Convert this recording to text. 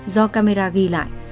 do camera ghi lại